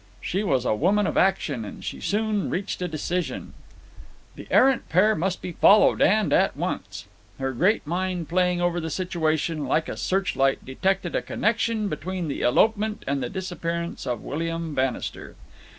She was a woman of action, and she soon reached a decision. The errant pair must be followed, and at once. Her great mind, playing over the situation like a searchlight, detected a connection between this elopement and the disappearance of William Bannister.